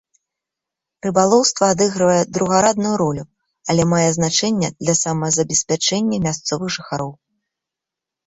Рыбалоўства адыгрывае другарадную ролю, але мае значэнне для самазабеспячэння мясцовых жыхароў.